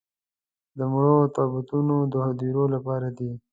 د مړو تابوتونه د هديرو لپاره دي.